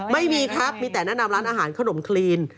ไม่มีครับมีแต่แนะนำร้านอาหารขนมคลีน